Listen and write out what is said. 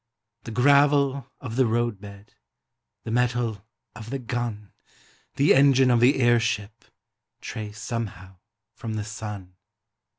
The gravel of the roadbed, The metal of the gun, The engine of the airship Trace somehow from the sun.